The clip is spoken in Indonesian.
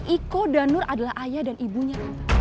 iko dan nur adalah ayah dan ibunya